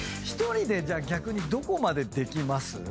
１人で逆にどこまでできます？